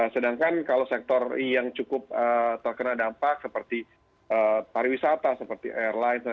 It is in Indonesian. sedangkan kalau sektor yang cukup terkena dampak seperti pariwisata seperti airline